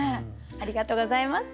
ありがとうございます。